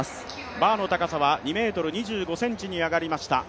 バーの高さは２ｍ２５ｃｍに上がりました。